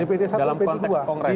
dpd i dan dpd ii